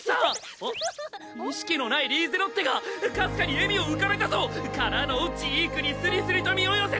あっ意識のないリーゼロッテがかすかに笑みを浮かべたぞ！からのジークにすりすりと身を寄せた！